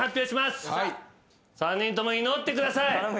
３人とも祈ってください。